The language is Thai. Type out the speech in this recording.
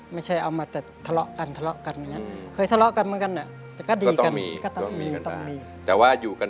ไม่ใช่เอามาแต่ทะเลาะกัน